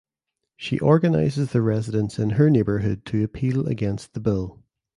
She organizes the residents in her neighbourhood to appeal against the bill.